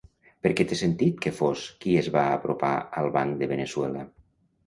Perquè té sentit que fos qui es va apropar al banc de Veneçuela.